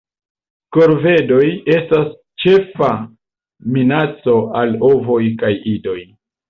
Korvedoj estas ĉefa minaco al ovoj kaj idoj.